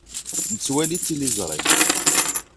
Nettwali tiliẓri.